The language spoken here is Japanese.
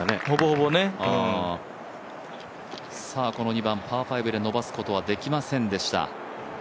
この２番、パー５で伸ばすことはできませんでした。